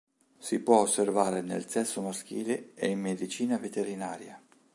Si può osservare nel sesso maschile e in medicina veterinaria.